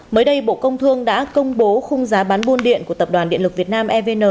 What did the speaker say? mới đây bộ công thương đã công bố khung giá bán buôn điện của tập đoàn điện lực việt nam evn